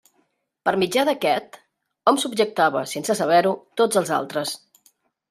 Per mitjà d'aquest, hom subjectava, sense saber-ho, tots els altres.